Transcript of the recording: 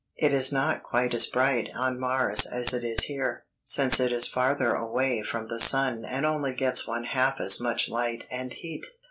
"It is not quite as bright on Mars as it is here, since it is farther away from the sun and only gets one half as much light and heat.